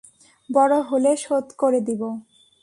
বড় হলে, শোধ করে দিব।